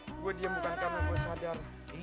gue diem bukan karena gue sadar